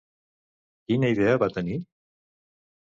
Quina idea va tenir?